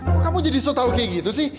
kok kamu jadi setau kayak gitu sih